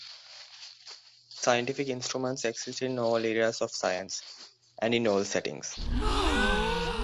Scientific instruments exist in all areas of science, and in all settings.